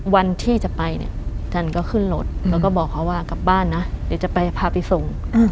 วันที่จะไปเนี่ยท่านก็ขึ้นรถแล้วก็บอกเขาว่ากลับบ้านนะเดี๋ยวจะไปพาไปส่ง